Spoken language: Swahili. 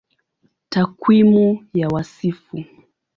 Takwimu ya Wasifu